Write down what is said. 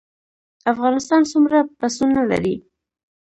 افغانستان څومره پسونه لري؟